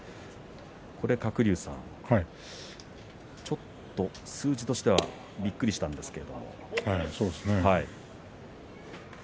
鶴竜さん、ちょっと数字としてはびっくりしたんですが。